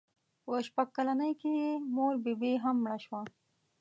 په شپږ کلنۍ کې یې مور بي بي هم مړه شوه.